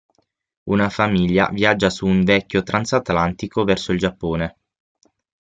Una famiglia viaggia su un vecchio transatlantico verso il Giappone.